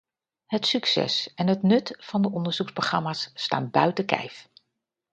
Het succes en het nut van de onderzoekprogramma's staan buiten kijf.